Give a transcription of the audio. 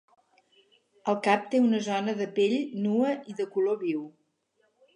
El cap té una zona de pell nua de color viu.